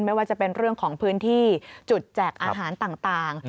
ไม่ว่าจะเป็นเรื่องของพื้นที่จุดแจกอาหารต่าง